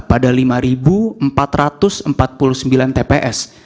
pada lima empat ratus empat puluh sembilan tps